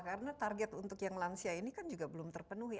karena target untuk yang langsia ini kan juga belum terpenuhi